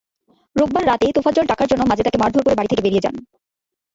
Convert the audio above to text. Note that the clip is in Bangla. রোববার রাতে তোফাজ্জল টাকার জন্য মাজেদাকে মারধর করে বাড়ি থেকে বেরিয়ে যান।